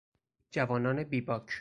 جوانان بیباک